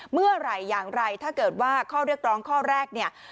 เมื่อไหร่อย่างไรถ้าเกิดว่าข้อเรียกร้องข้อแรกเนี่ย